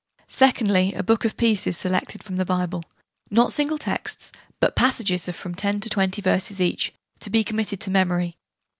Secondly, a book of pieces selected from the Bible not single texts, but passages of from 10 to 20 verses each to be committed to memory.